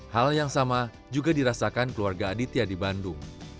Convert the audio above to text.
hal yang sama juga dirasakan keluarga aditya di bandung